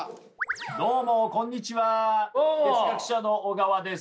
どうもこんにちは哲学者の小川です。